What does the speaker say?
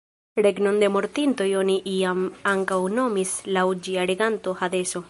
Regnon de mortintoj oni iam ankaŭ nomis laŭ ĝia reganto "hadeso".